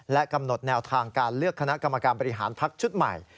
และกำหนดแนวทางการเลือกคณะกรรมการบริหารพักชุดใหม่